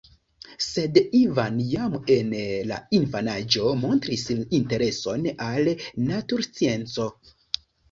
Sed Ivan jam en la infanaĝo montris intereson al naturscienco.